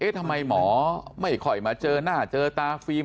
ทำไมหมอไม่ค่อยมาเจอหน้าเจอตาฟิล์ม